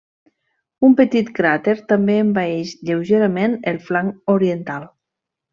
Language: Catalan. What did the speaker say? Un petit cràter també envaeix lleugerament el flanc oriental.